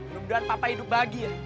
semoga papa hidup bahagia